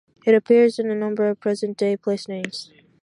It appears in a number of present-day placenames.